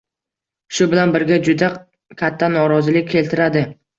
Shu bilan birga, juda katta norozilik keltiradi.